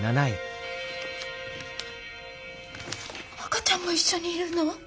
赤ちゃんも一緒にいるの？